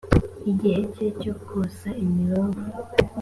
igihe cye cyo kosa imibavu